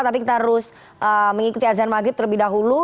tapi kita harus mengikuti azan maghrib terlebih dahulu